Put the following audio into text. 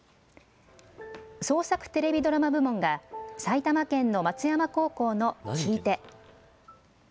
創作テレビドラマ部門が埼玉県の松山高校の聞いて。